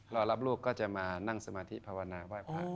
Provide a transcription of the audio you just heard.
รอรับลูกก็จะมานั่งสมาธิภาวนาไหว้พระ